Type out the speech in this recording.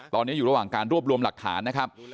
ตอนนี้อยู่ระหว่างการรวบรวมหลักฐานนะครับ